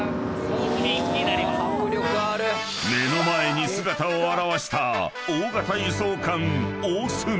［目の前に姿を現した］